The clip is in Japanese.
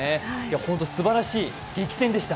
ホントすばらしい、激戦でした。